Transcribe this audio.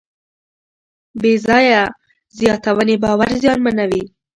بېځایه زیاتونې باور زیانمنوي.